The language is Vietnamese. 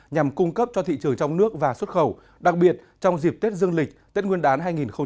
nhằm cung cấp cho thị trường trong nước và xuất khẩu đặc biệt trong dịp tết dương lịch tết nguyên đán hai nghìn hai mươi